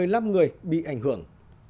làm một mươi năm người bị ảnh hưởng